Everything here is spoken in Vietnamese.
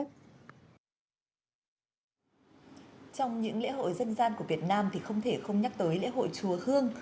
trong những lễ hội dân gian của việt nam thì không thể không nhắc tới lễ hội chùa hương